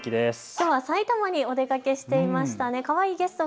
きょうは埼玉にお出かけしていましたね。